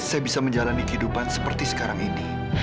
tapi saya tidak mau menjalani hidup seperti sekarang ini